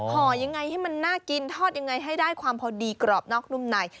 ห่อยังไงให้มันน่ากินทอดยังไงให้ได้ความพอดีกรอบนอกนุ่มใน